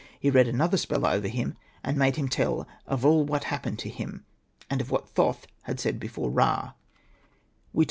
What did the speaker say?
He read another spell over him, and made him tell of all what happened to him, and of what Thoth had said before Ka.